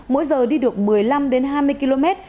mỗi giờ đi được một mươi năm đến hai mươi km